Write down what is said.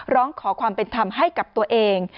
ร้องขอความเป็นธรรมให้กับตัวเอง